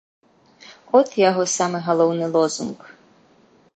От яго самы галоўны лозунг.